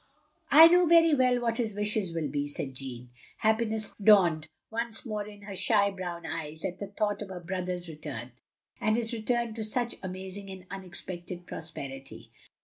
"I know very well what his wishes will be," said Jeanne. Happiness dawned once more in her shy brown eyes at the thought of her brother's return; and his return to such amazing and un expected prosperity.